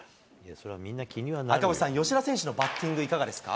赤星さん、吉田選手のバッティングいかがですか。